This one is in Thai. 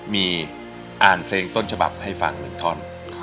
มีอ่านเพลงต้นฉบับให้ฟัง๑ท่อน